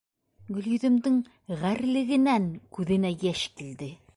Гөлйөҙөмдөң ғәрлегенән күҙенә йәш килде.